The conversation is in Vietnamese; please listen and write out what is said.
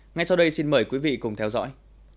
ngay sau đây xin mời quý vị cùng theo dõi